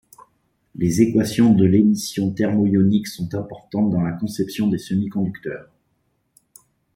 Les équations de l'émission thermoionique sont importantes dans la conception des semi-conducteurs.